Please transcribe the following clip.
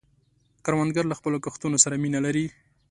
کروندګر له خپلو کښتونو سره مینه لري